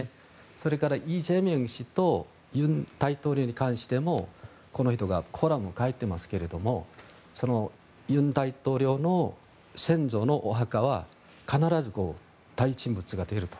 それから、イ・ジェミョン氏と尹大統領に関してもこの人がコラムを書いていますけれども尹大統領の先祖のお墓は必ず大人物が出ると。